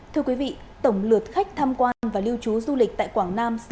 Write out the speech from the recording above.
thưa quý vị tổng lượt khách tham quan và lưu trú du lịch tại quảng nam